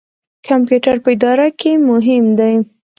کمپیوټر په اداره کې مهم دی